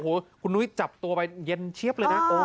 โอ้โหคุณนุ้ยจับตัวไปเย็นเชียบเลยนะ